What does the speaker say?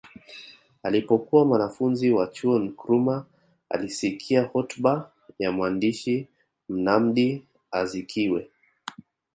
Alipokuwa mwanafunzi wa chuo Nkrumah alisikia hotuba ya mwandishi Nnamdi Azikiwe